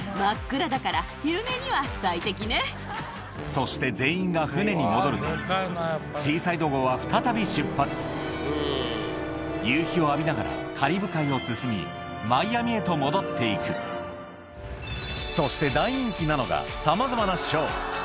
そして全員が船に戻るとシーサイド号は再び出発夕日を浴びながらカリブ海を進みマイアミへと戻っていくそして大人気なのがさまざまなショー